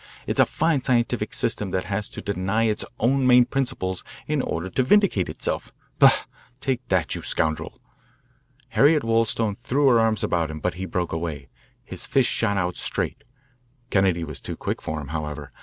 It's a fine scientific system that has to deny its own main principles in order to vindicate itself. Bah! Take that, you scoundrel! Harriet Wollstone threw her arms about him, but he broke away. His fist shot out straight. Kennedy was too quick for him, however.